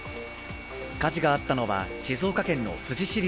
火事があったのは静岡県の富士市立